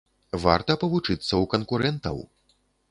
Варта павучыцца ў канкурэнтаў.